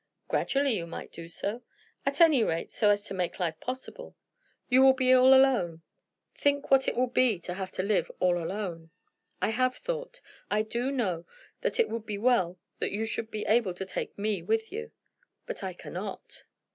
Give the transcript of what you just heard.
"Gradually you might do so, at any rate so as to make life possible. You will be all alone. Think what it will be to have to live all alone." "I have thought. I do know that it would be well that you should be able to take me with you." "But I cannot."